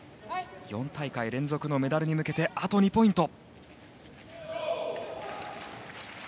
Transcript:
４大会連続メダルに向けあと２ポイント。